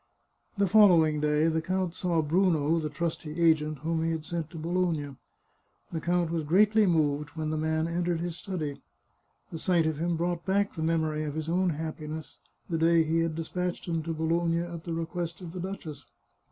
The following day the count saw Bruno, the trusty agent whom he had sent to Bologna. The count was greatly moved when the man entered his study. The sight of him brought back the memory of his own happiness, the day he had despatched him to Bologna at the request of the duchess.